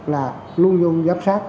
là luôn luôn giám sát